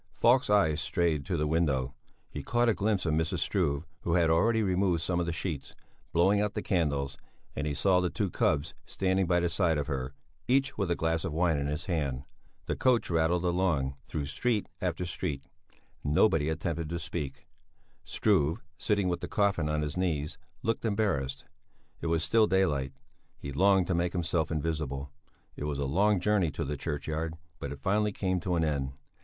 Falk's eyes strayed to the window; he caught a glimpse of Mrs. Struve, who had already removed some of the sheets, blowing out the candles; and he saw the two cubs standing by the side of her, each with a glass of wine in his hand. The coach rattled along, through street after street; nobody attempted to speak. Struve, sitting with the coffin on his knees, looked embarrassed; it was still daylight; he longed to make himself invisible. It was a long journey to the churchyard, but it finally came to an end.